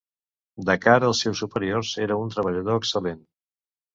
De cara als seus superiors era un treballador excel·lent.